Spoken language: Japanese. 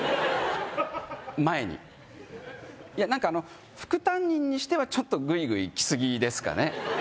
前にいや何かあの副担任にしてはちょっとグイグイいき過ぎですかね